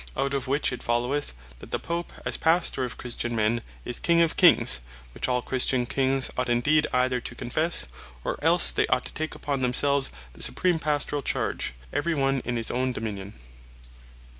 Out of which it followeth, that the Pope, as Pastor of Christian men, is King of Kings: which all Christian Kings ought indeed either to Confesse, or else they ought to take upon themselves the Supreme Pastorall Charge, every one in his own Dominion.